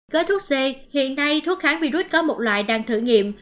gói thuốc c hiện nay thuốc kháng virus có một loại đang thử nghiệm